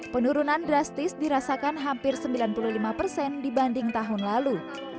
penurunan drastis dirasakan hampir sembilan puluh lima persen dibanding tahun lalu